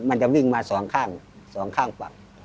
มันจะวิ่งมาสองข้างสองข้างฝั่ง